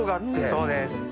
そうです。